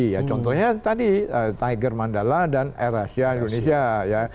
ya contohnya tadi tiger mandala dan air asia indonesia ya